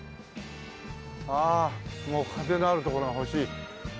ああもう風のある所が欲しい。